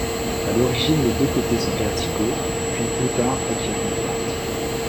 À l'origine les deux côtés sont verticaux puis plus tard acquièrent une pente.